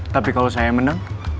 tapi kalau saya menang